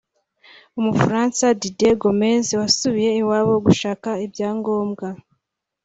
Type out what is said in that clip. Umufaransa Didier Gomez wasubiye iwabo gushaka ibyangombwa